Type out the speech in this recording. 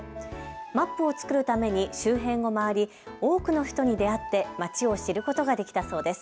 マップを作るために周辺を回り多くの人に出会って街を知ることができたそうです。